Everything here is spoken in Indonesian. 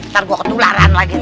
ntar gua ketularan lagi